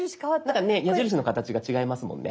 なんかね矢印の形が違いますもんね。